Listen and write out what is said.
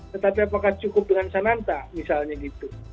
tetapi apakah cukup dengan sananta misalnya gitu